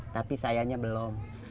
tapi sayanya belum